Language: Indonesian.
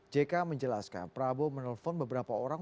jk menjelaskan prabowo menelpon beberapa orang